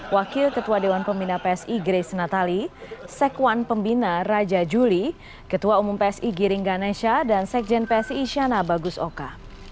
wakil ketua dewan pembina psi grace natali sekwan pembina raja juli ketua umum psi giring ganesha dan sekjen psi syana bagusoka